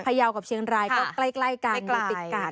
ยาวกับเชียงรายก็ใกล้กันใกล้ติดกัน